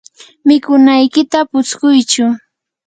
mikunaykita putskuychu.